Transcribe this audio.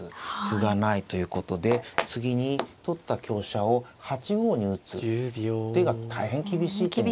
歩がないということで次に取った香車を８五に打つ手が大変厳しい手になるんですね。